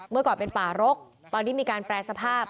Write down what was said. เมื่อก่อนเป็นป่ารกตอนที่มีการแปรสภาพ